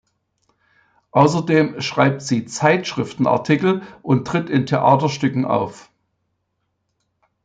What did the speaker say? Außerdem schreibt sie Zeitschriftenartikel und tritt in Theaterstücken auf.